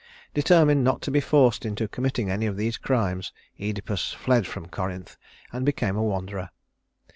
Determined not to be forced into committing any of these crimes, Œdipus fled from Corinth and became a wanderer.